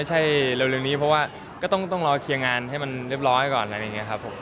เหมือนที่ผ่านบุกราณไหนบ้าง